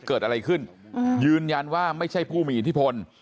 เกิดอะไรขึ้นยืนยันว่าไม่ใช่ผู้มีอิทธิพล